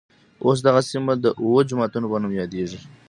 اوس دغه سیمه د اوه جوماتونوپه نوم يادېږي.